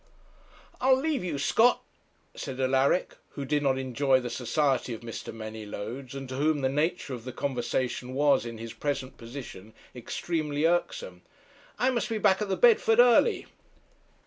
'I'll leave you, Scott,' said Alaric, who did not enjoy the society of Mr. Manylodes, and to whom the nature of the conversation was, in his present position, extremely irksome; 'I must be back at the Bedford early.'